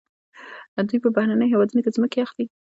دوی په بهرنیو هیوادونو کې ځمکې اخلي.